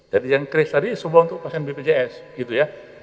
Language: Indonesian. jadi yang kris tadi semua untuk pasien bpjs gitu ya